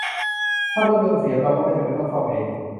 ถ้ารถยนต์เสีย เราก็ไม่จำเป็นต้องซ่อมเอง